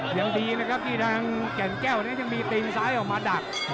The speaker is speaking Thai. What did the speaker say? ยังดีนะครับที่ทางแก่นแก้วนี้ยังมีตีนซ้ายออกมาดัก